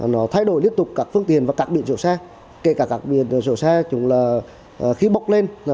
nó thay đổi liên tục các phương tiện và các biện sổ xe kể cả các biện sổ xe chúng là khi bọc lên